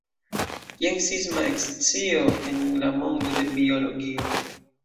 Jen sisma ekscio en la mondo de biologio.